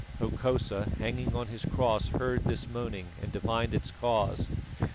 Hokosa hanging on his cross heard this moaning and divined its cause.